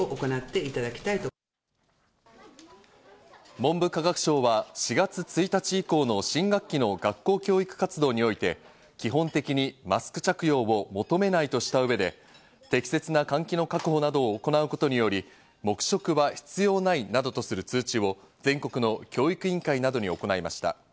文部科学省は４月１日以降の新学期の学校教育活動において、基本的にマスク着用を求めないとした上で適切な換気の確保などを行うことにより、黙食は必要ないなどとする通知を全国の教育委員会などに行いました。